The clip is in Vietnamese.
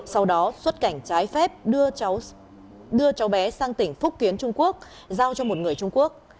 sau đó xuất cảnh trái phép đưa cháu bé sang tỉnh phúc kiến trung quốc giao cho một người trung quốc